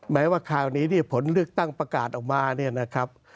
แม้ว่าคราวนี้เนี่ยผลเลือกตั้งประกาศออกมาเนี่ยนะครับ